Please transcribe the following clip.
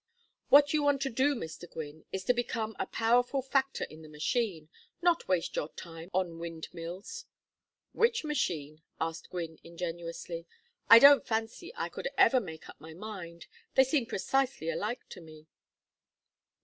What you want to do, Mr. Gwynne, is to become a powerful factor in the machine, not waste your time on windmills." "Which machine?" asked Gwynne, ingenuously. "I don't fancy I could ever make up my mind. They seem precisely alike to me."